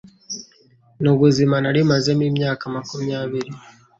Ni ubuzima nari mazemo imyaka makumyabiri